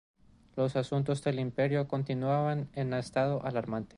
Los asuntos del Imperio continuaban en estado alarmante.